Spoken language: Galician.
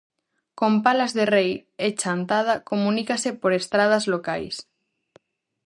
Con Palas de Rei e Chantada comunícase por estradas locais.